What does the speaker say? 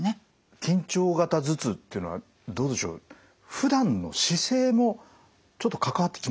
緊張型頭痛っていうのはどうでしょうふだんの姿勢もちょっと関わってきますかね？